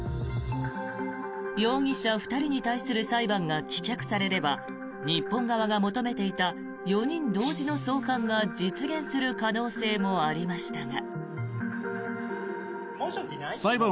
容疑者２人に対する裁判が棄却されれば日本側が求めていた４人同時の送還が実現する可能性もありましたが。